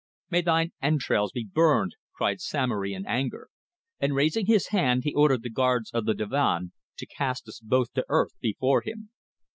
"May thine entrails be burned," cried Samory in anger, and raising his hand he ordered the guards of the divan to cast us both to earth before him.